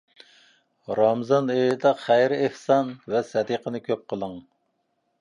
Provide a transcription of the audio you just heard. رامىزان ئېيىدا خەير-ئېھسان ۋە سەدىقىنى كۆپ قىلىڭ.